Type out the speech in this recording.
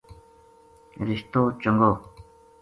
رشتو چنگو